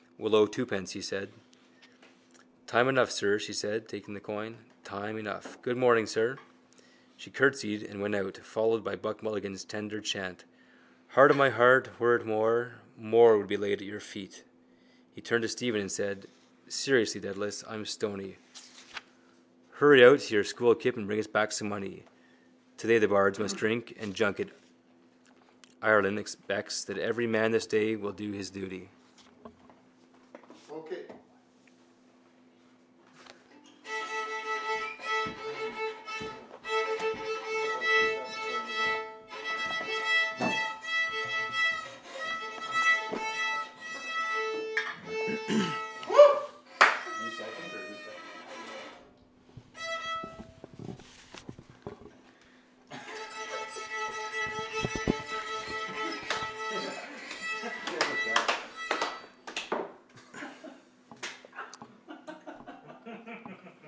—We'll owe twopence, he said. —Time enough, sir, she said, taking the coin. Time enough. Good morning, sir. She curtseyed and went out, followed by Buck Mulligan's tender chant: —Heart of my heart, were it more, More would be laid at your feet. He turned to Stephen and said: —Seriously, Dedalus. I'm stony. Hurry out to your school kip and bring us back some money. Today the bards must drink and junket. Ireland expects that every man this day will do his duty.